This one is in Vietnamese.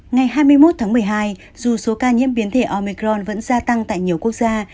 ngày hai mươi một tháng một mươi hai dù số ca nhiễm biến thể omicron vẫn gia tăng tại nhiều quốc gia